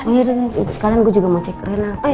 oh iya deh sekarang gue juga mau cek rena